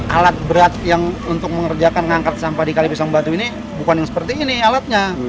alat berat yang untuk mengerjakan mengangkat sampah di kalipisang batu ini bukan yang seperti ini alatnya